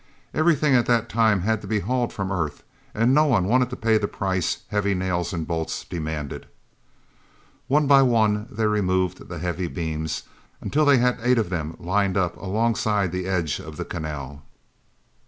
Everything at that time had to be hauled from Earth, and no one wanted to pay the price heavy nails and bolts demanded. One by one, they removed the heavy beams, until they had eight of them lined up alongside the edge of the canal.